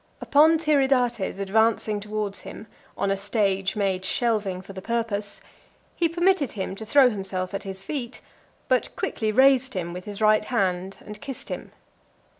Upon Tiridates advancing towards him, on a stage made shelving for the purpose, he permitted him to throw himself at his feet, but quickly raised him with his right hand, and kissed him.